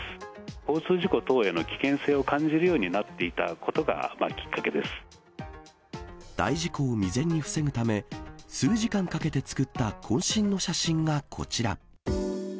交通事故等への危険性を感じるようになっていたことがきっかけで大事故を未然に防ぐため、数時間かけて作った、こん身の写真がこちら。